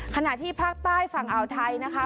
ขณะที่ภาคใต้ฝั่งอ่าวไทยนะคะ